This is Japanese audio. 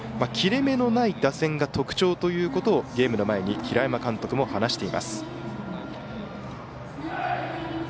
切れ目のない打線が特徴とゲームの前に平山監督が話しています。